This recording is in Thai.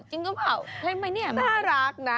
จริงหรือเปล่าเล่นไหมเนี่ยน่ารักนะ